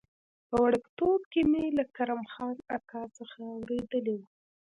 په وړکتوب کې مې له کرم خان اکا څخه اورېدلي و.